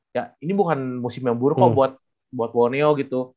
ya ini bukan musim yang buruk buat borneo gitu